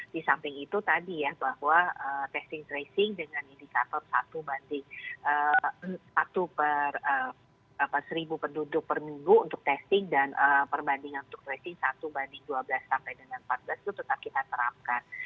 di samping itu tadi ya bahwa testing tracing dengan indikator satu banding satu per seribu penduduk per minggu untuk testing dan perbandingan untuk tracing satu banding dua belas sampai dengan empat belas itu tetap kita terapkan